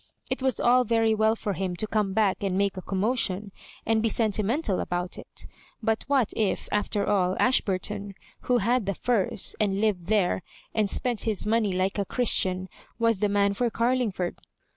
It was all very well for him to come back and make a commotion, and be sentimen tal about it But what if, after all, Ashburton, who had the Firs, and lived there, and spent bis money like a Christian, was the man for Carling ford?